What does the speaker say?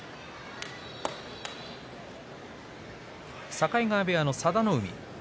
境川部屋の佐田の海です。